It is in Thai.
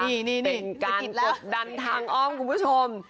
นี่เป็นการกดดันทางอ้อมคุณผู้ชม